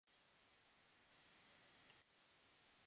যুদ্ধে সাধারণত সেনাপতি মাঝখান থেকে সৈন্য পরিচালনা করে।